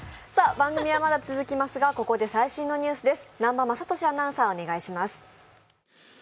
番組はまだ続きますが、ここで最新のニュースです。